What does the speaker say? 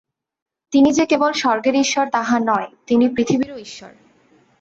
তিনি যে কেবল স্বর্গের ঈশ্বর তাহা নয়, তিনি পৃথিবীরও ঈশ্বর।